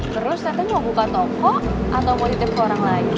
terus katanya mau buka toko atau mau titip ke orang lain